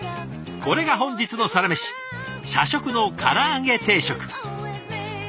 これが本日のサラメシ社食のから揚げ定食。